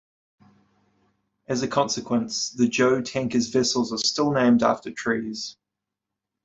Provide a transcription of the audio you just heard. As a consequence the Jo Tankers' vessels are still named after trees.